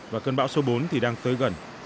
và cơn bão số bốn thì đang tới gần